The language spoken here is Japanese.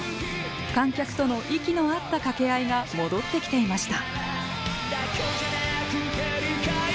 観客との息のあった掛け合いが戻ってきていました。